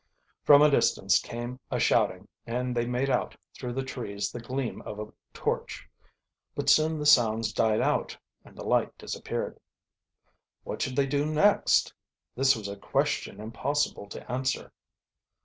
From a distance came a shouting, and they made out through the trees the gleam of a torch. But soon the sounds died out and the light disappeared. What should they do next? This was a question impossible to answer.